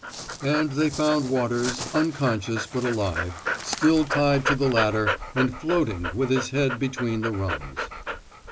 '* And they found Waters, unconscious but alive, still tied to the ladder, and floating with his head between the rungs.